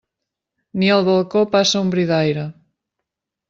Ni al balcó passa un bri d'aire.